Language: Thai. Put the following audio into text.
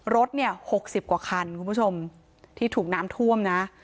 รถเนี่ย๖๐กว่าคันคุณผู้ชมที่ถูกน้ำท่วมนะ